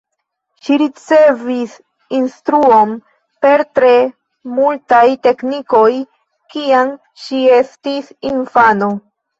Ŝi ricevis instruon per tre multaj teknikoj kiam ŝi estis infano.